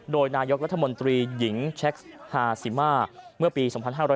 โดยนายกรัฐมนตรีหญิงแชคฮาซิมาเมื่อปี๒๕๕๙